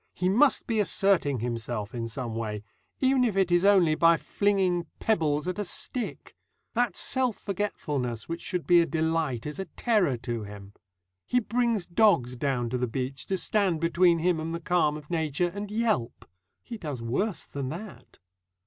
He must be asserting himself in some way, even if it is only by flinging pebbles at a stick. That self forgetfulness which should be a delight is a terror to him. He brings dogs down to the beach to stand between him and the calm of nature, and yelp. He does worse than that.